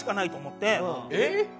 えっ！